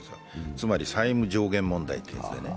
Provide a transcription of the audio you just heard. つまり債務上限問題というやつでね。